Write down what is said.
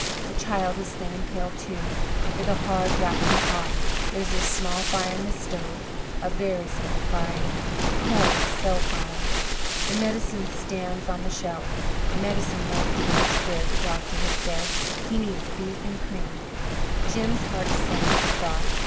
The child is thin and pale, too, with a hard, racking cough. There is a small fire in the stove, a very small fire; coal is so high. The medicine stands on the shelf. "Medicine won't do much good," the doctor had said; "he needs beef and cream." Jim's heart sank at the thought.